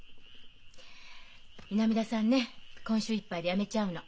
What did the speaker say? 南田さんね今週いっぱいで辞めちゃうの。